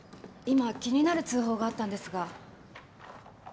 今気になる通報があったんですが。